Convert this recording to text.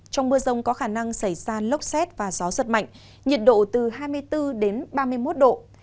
trong mưa rông có khả năng xảy ra lốc xét và gió giật mạnh nhiệt độ từ hai mươi bốn đến ba mươi một độ